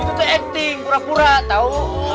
itu tuh acting pura pura tau